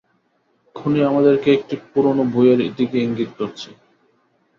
খুনি আমাদেরকে একটি পুরোনো বইয়ের দিকে ইঙ্গিত করছে।